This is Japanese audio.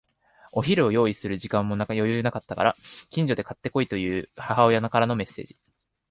お昼を用意する時間も余裕もなかったから、近所で買って来いという母親からのメッセージ。